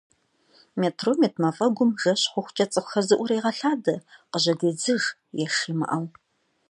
Метром ит мафӏэгум жэщ хъухункӏэ цӏыхухэр зыӏурегъэлъадэ къыжьэдедзыж, еш имыӏэу.